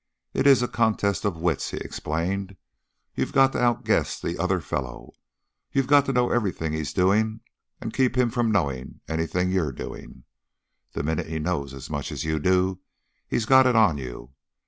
'It is a contest of wits,' he explained. 'You've got to outguess the other fellow. You've got to know everything he's doing and keep him from knowing anything you're doing. The minute he knows as much as you do, he's got it on you.'